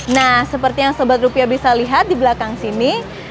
nah seperti yang sebat rupiah bisa lihat di belakang sini